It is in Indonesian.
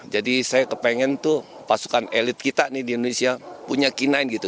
jadi saya kepengen tuh pasukan elit kita nih di indonesia punya kainai gitu